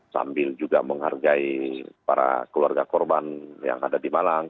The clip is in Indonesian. sambil juga menghargai para keluarga korban yang ada di malang